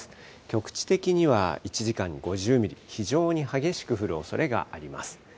局地的には１時間に５０ミリ、非常に激しく降るおそれがあります。